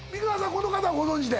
この方はご存じで？